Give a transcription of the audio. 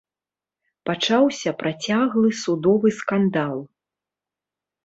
Пачаўся працяглы судовы скандал.